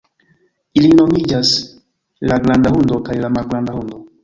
Ili nomiĝas la Granda Hundo kaj la Malgranda Hundo.